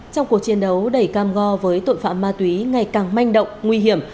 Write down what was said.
trong cuộc chiến đấu đầy cam go với tội phạm ma túy ngày càng manh động nguy hiểm